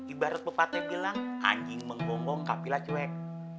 ibarat bupatnya bilang anjing menggonggong kapilah cuek